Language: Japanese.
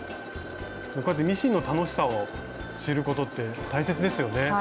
こうやってミシンの楽しさを知ることって大切ですよね。